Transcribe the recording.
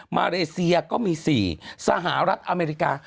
มาเลเซียก็มี๔สหรัฐอเมริกา